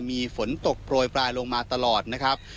มีฝนตกโปรยปลายลงมาตลอดนะครับ